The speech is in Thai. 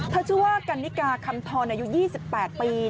ชื่อว่ากันนิกาคำทรอายุ๒๘ปี